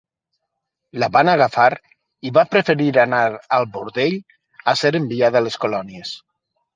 La van agafar i va preferir anar al bordell a ser enviada a les colònies.